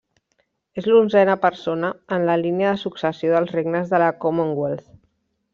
És l'onzena persona en la línia de successió dels regnes de la Commonwealth.